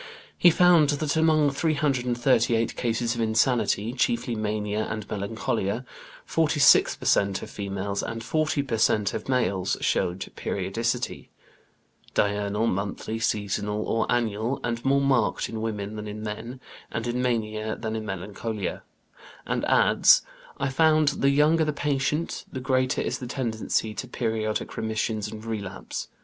He found that among 338 cases of insanity, chiefly mania and melancholia, 46 per cent, of females and 40 per cent, of males showed periodicity, diurnal, monthly, seasonal, or annual, and more marked in women than in men, and in mania than in melancholia, and adds: "I found that the younger the patient, the greater is the tendency to periodic remission and relapse.